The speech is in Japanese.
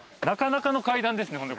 なかなかの階段ですね